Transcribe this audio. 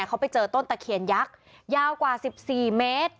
เขาไปเจอต้นตะเคียนยักษ์ยาวกว่า๑๔เมตร